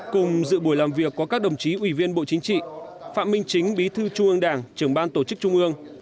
cùng dự buổi làm việc có các đồng chí ủy viên bộ chính trị phạm minh chính bí thư trung ương đảng trưởng ban tổ chức trung ương